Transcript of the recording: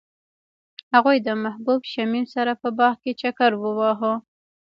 هغوی د محبوب شمیم سره په باغ کې چکر وواهه.